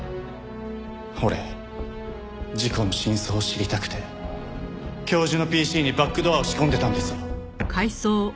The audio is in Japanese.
俺事故の真相を知りたくて教授のＰＣにバックドアを仕込んでたんですよ。